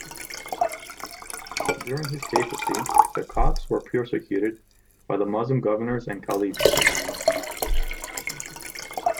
During his papacy, the Copts were persecuted by the Muslim governors and Caliphs.